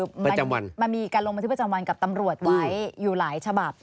มันมีการลงบันทึกประจำวันกับตำรวจไว้อยู่หลายฉบับ